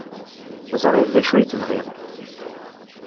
Teẓriḍ d acu ay tebɣiḍ.